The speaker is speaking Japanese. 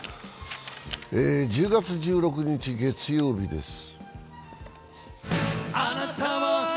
１０月１６日月曜日です。